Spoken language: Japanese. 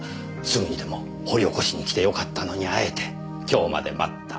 すぐにでも掘り起こしに来てよかったのにあえて今日まで待った。